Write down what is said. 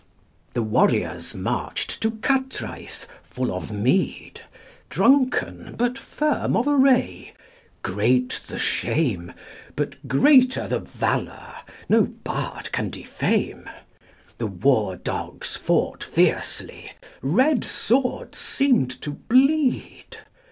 ] The warriors marched to Cattræth, full of mead; Drunken, but firm of array: great the shame, But greater the valor no bard can defame. The war dogs fought fiercely, red swords seemed to bleed.